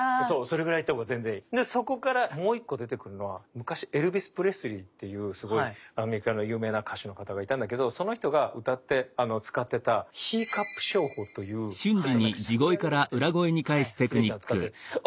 そこからもう１個出てくるのは昔エルヴィス・プレスリーっていうすごいアメリカの有名な歌手の方がいたんだけどその人が歌って使ってた「ヒーカップ唱法」というちょっとしゃくりあげるみたいなやつを秀樹さん使ってて。